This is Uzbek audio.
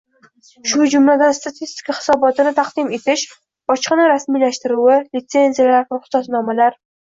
shu jumladan statistika hisobotini taqdim etish, bojxona rasmiylashtiruvi, litsenziyalar, ruxsatnomalar